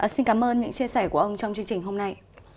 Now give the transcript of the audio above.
xin cảm ơn những chia sẻ của ông trong chương trình hôm nay